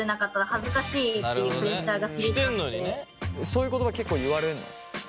そういう言葉結構言われるの？